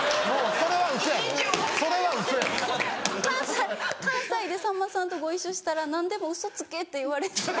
関西関西でさんまさんとご一緒したら何でもウソつけって言われて。